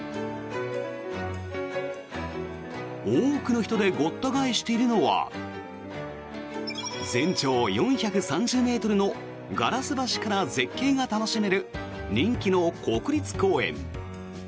多くの人でごった返しているのは全長４３０ｍのガラス橋から絶景が楽しめる人気の国立公園。